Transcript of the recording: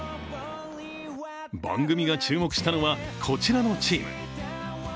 番組が注目したのはこちらのチーム。